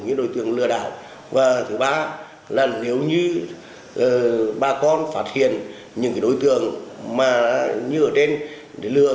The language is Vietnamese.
những đối tượng lừa đảo và thứ ba là nếu như bà con phát hiện những đối tượng mà như ở trên để lừa